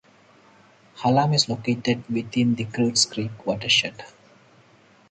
Hallam is located within the Kreutz Creek watershed.